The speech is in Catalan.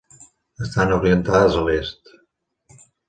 Estan orientades a l'est.